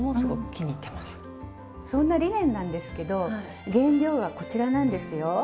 そんなリネンなんですけど原料はこちらなんですよ。